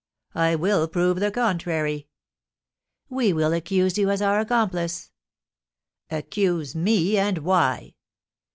"I will prove the contrary." "We will accuse you as our accomplice." "Accuse me! And why?"